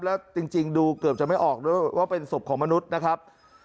แล้วจริงดูเกือบจะไม่ออกด้วยว่าเป็นศพของมนุษย์นะครับ